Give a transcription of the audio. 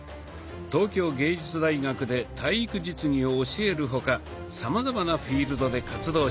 東京藝術大学で体育実技を教える他さまざまなフィールドで活動しています。